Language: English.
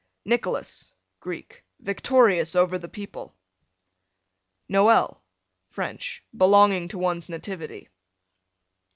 Nicholas, Greek, victorious over the people. Noel, French, belonging to one's nativity.